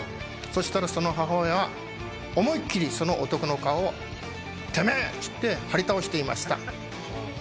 そしたらその母親は思いっ切りその男の顔を「てめぇ！」っつって張り倒していました。